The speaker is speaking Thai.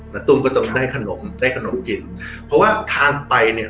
แล้วตุ้มก็จะได้ขนมได้ขนมกินเพราะว่าทานไปเนี่ย